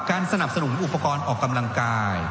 สนับสนุนอุปกรณ์ออกกำลังกาย